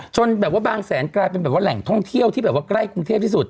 แบบว่าบางแสนกลายเป็นแบบว่าแหล่งท่องเที่ยวที่แบบว่าใกล้กรุงเทพที่สุด